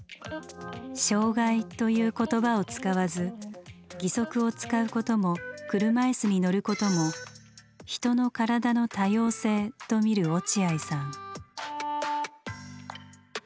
障害という言葉を使わず義足を使うことも車椅子に乗ることも「人の身体の多様性」と見る落合さん。